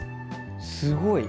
すごい！